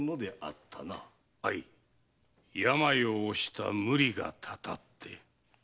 はい病を押した無理がたたって。